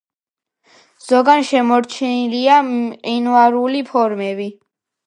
ზოგან შემორჩენილია მყინვარული ფორმები.